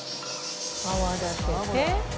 泡立てて。